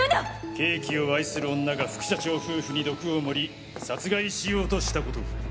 ケーキを愛する女が副社長夫婦に毒を盛り殺害しようとしたことを。